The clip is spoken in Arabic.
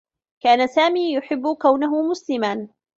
كان سامي يحبّ كونه مسلما.